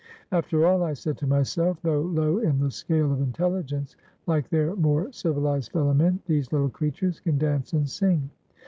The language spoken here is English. "After all," I said to myself, "though low in the scale of intelligence, like their more civilized fellow men, these little creatures can dance and sing."